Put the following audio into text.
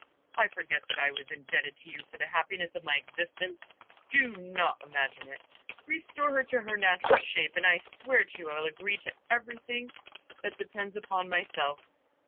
I forget that I was indebted to you for the happiness of my existence? Do not imagine it. Restore her to her natural shape, and I swear to you I will agree to everything that depends upon myself.